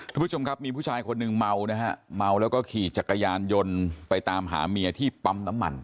ทุกผู้ชมครับมีผู้ชายคนหนึ่งเมานะฮะเมาแล้วก็ขี่จักรยานยนต์ไปตามหาเมียที่ปั๊มน้ำมัน